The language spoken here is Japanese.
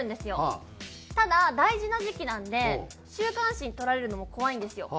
ただ大事な時期なんで週刊誌に撮られるのも怖いんですよ。